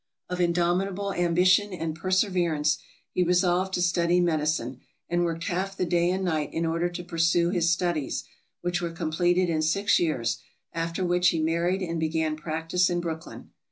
Of indomitable ambition and perseverance, he resolved to study medicine, and worked half the day and night in order to pursue his studies, which were completed in six years, after which he married and began practice in Brooklyn.